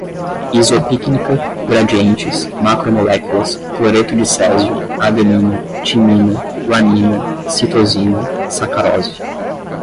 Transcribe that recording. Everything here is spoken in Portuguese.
isopícnica, gradientes, macromoléculas, cloreto de césio, adenina, timina, guanina, citosina, sacarose